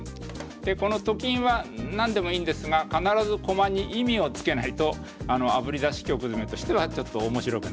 でこのと金は何でもいいんですが必ず駒に意味をつけないとあぶり出し曲詰としてはちょっと面白くない。